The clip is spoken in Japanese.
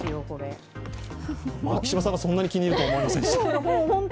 牧嶋さんがそんなに気に入るとは思いませんでした。